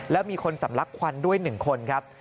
แล้วมีคนสำลักควันด้วย๑คนครับ